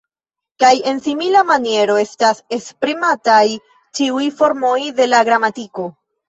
Kaj en simila maniero estas esprimataj ĉiuj formoj de la gramatiko.